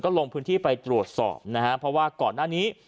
ลงพื้นที่ไปตรวจสอบนะฮะเพราะว่าก่อนหน้านี้